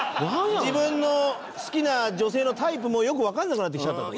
自分の好きな女性のタイプもよくわかんなくなってきちゃったって事？